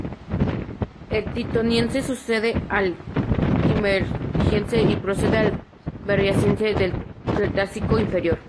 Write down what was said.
El Titoniense sucede al Kimmeridgiense y precede al Berriasiense, del Cretácico Inferior.